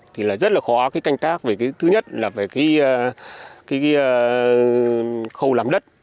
thì là rất là khó canh tác về thứ nhất là về cái khâu làm đất